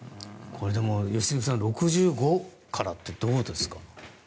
良純さん６５からってどうですか？